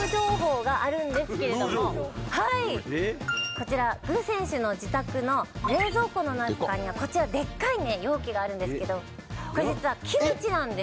こちら、具選手の自宅の冷蔵庫の中には、こちら、でっかい容器があるんですけれど、これ実はキムチなんです。